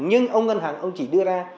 nhưng ông ngân hàng ông chỉ đưa ra